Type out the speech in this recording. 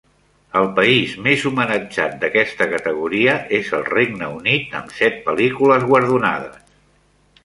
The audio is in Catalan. El país més homenatjat d'aquesta categoria és el Regne Unit, amb set pel·lícules guardonades.